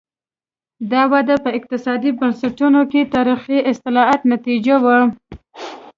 دا وده په اقتصادي بنسټونو کې تاریخي اصلاحاتو نتیجه وه.